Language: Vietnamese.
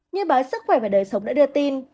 như báo sức khỏe và đời sống đã đưa tin